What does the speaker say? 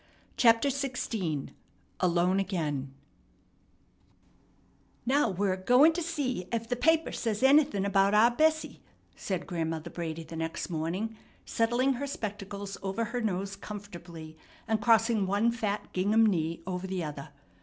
CHAPTER XVI ALONE AGAIN "Now we're goin' to see ef the paper says anythin' about our Bessie," said Grandmother Brady the next morning, settling her spectacles over her nose comfortably and crossing one fat gingham knee over the other.